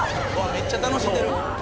めっちゃ楽しんでる。